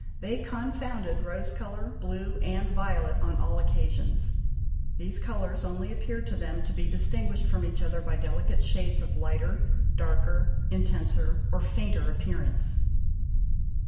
They confounded rose colour, blue, and violet on all occasions: these colours only appeared to them to be distinguished from each other by delicate shades of lighter, darker, intenser, or fainter appearance.